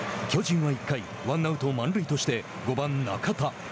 巨人は１回ワンアウト、満塁として５番、中田。